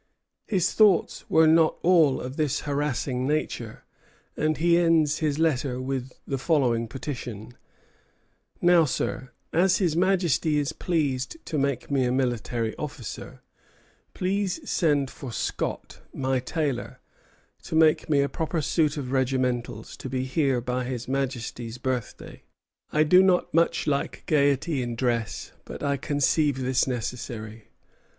His thoughts were not all of this harassing nature, and he ends his letter with the following petition: "Now, sir, as His Majesty is pleased to make me a military officer, please send for Scott, my tailor, to make me a proper suit of regimentals, to be here by His Majesty's birthday. I do not much like gayety in dress, but I conceive this necessary.